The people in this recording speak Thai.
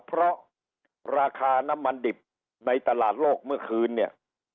เพราะราคาน้ำมันดิบในตลาดโลกเมื่อคืนเนี่ย